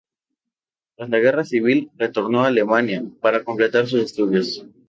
Tras la Guerra Civil, retornó a Alemania, para completar sus estudios.